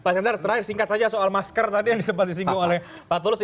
pak sentar terakhir singkat saja soal masker tadi yang disimpati singgung oleh pak tulus